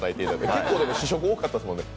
結構試食多かったですもんね。